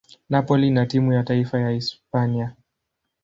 Napoli na timu ya taifa ya Hispania.